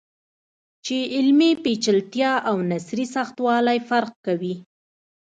چې علمي پیچلتیا او نثري سختوالی فرق کوي.